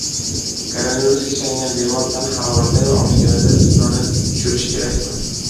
Koronavirusga chalingan bemor tana harorati oshganida isitmani tushirishi kerakmi?